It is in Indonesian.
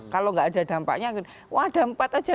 kalau gak ada dampaknya wah dampak aja